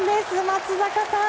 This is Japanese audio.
松坂さん。